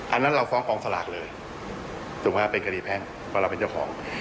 อันนั้นเราฟ้องกองสลากเลยถูกไหมเป็นคดีแพ่งเพราะเราเป็นเจ้าของ